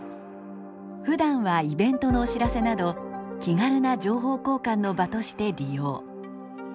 ふだんはイベントのお知らせなど気軽な情報交換の場として利用。